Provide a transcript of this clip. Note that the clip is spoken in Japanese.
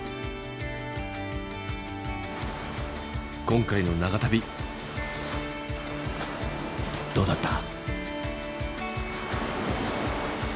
今回の長旅どうだった？